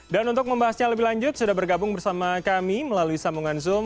dan untuk membahasnya lebih lanjut sudah bergabung bersama kami melalui sambungan zoom